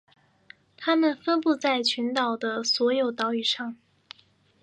它们分布在群岛的所有岛屿上。